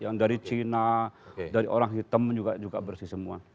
yang dari cina dari orang hitam juga bersih semua